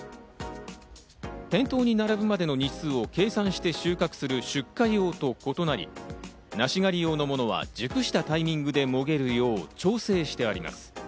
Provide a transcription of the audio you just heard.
店頭に並ぶまでの日数を計算して収穫する出荷用と異なり、梨狩り用のものは熟したタイミングでもげるよう、調整してあります。